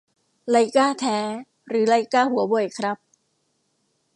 ไลก้าแท้หรือไลก้าหัวเว่ยครับ